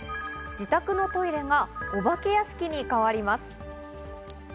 自宅のトイレがお化け屋敷に変わります。